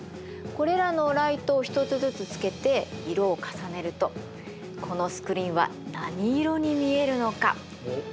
これらのライトを一つずつつけて色を重ねるとこのスクリーンは何色に見えるのか？